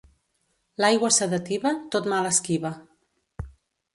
L'aigua sedativa, tot mal esquiva.